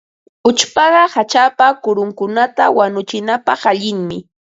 Uchpaqa hachapa kurunkunata wanuchinapaq allinmi.